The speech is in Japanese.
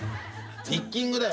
ピッキングだよ。